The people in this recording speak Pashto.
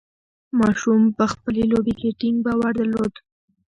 ماشوم په خپلې لوبې کې ټینګ باور درلود.